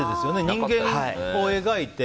人間を描いて。